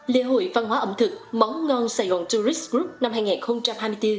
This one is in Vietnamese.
lễ hội văn hóa ẩm thực món ngon saigon tourist group năm hai nghìn hai mươi bốn